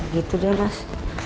gitu deh mas